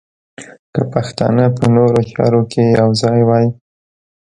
که پښتانه په نورو چارو کې یو ځای وای.